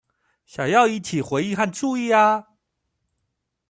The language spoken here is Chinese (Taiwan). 想要引起回應與注意呀